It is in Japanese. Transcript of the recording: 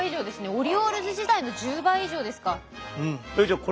オリオールズ時代の１０倍以上ですか。